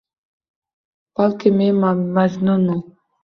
Balki men Majnunman